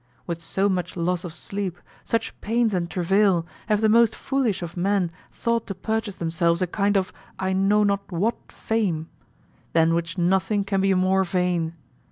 With so much loss of sleep, such pains and travail, have the most foolish of men thought to purchase themselves a kind of I know not what fame, than which nothing can be more vain.